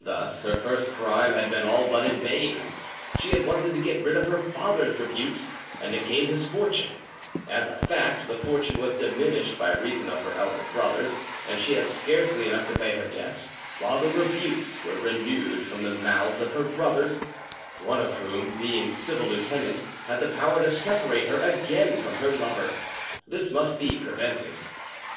Thus her first crime had been all but in vain: she had wanted to get rid of her father's rebukes and to gain his fortune; as a fact the fortune was diminished by reason of her elder brothers, and she had scarcely enough to pay her debts; while the rebukes were renewed from the mouths of her brothers, one of whom, being civil lieutenant, had the power to separate her again from her lover. This must be prevented.